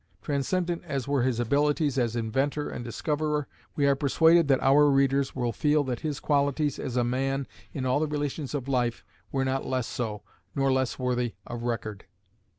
Transcendent as were his abilities as inventor and discoverer, we are persuaded that our readers will feel that his qualities as a man in all the relations of life were not less so, nor less worthy of record.